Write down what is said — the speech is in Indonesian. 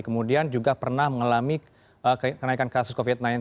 kemudian juga pernah mengalami kenaikan kasus covid sembilan belas